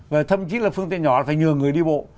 và thậm chí là phương tiện nhỏ phải nhường người đi bộ